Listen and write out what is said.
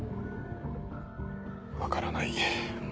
分からない。